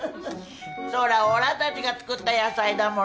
そらおらたちが作った野菜だもの。